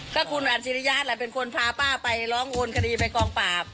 ก็คุณอัจฉริยะแหละเป็นคนพาป้าไปร้องโอนคดีไปกองปราบ